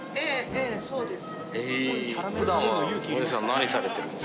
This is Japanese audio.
ええそうです。